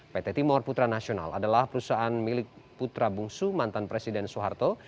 pt timur putra nasional adalah perusahaan milik putra bungsu mantan presiden soeharto